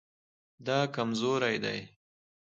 دا کمزوری دی